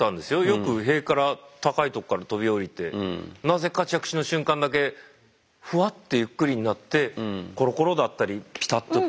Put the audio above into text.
よく塀から高いとこから飛び降りてなぜか着地の瞬間だけフワッてゆっくりになってコロコロだったりピタッとこう。